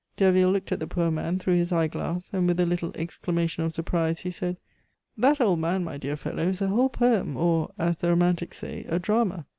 Derville looked at the poor man through his eyeglass, and with a little exclamation of surprise he said: "That old man, my dear fellow, is a whole poem, or, as the romantics say, a drama.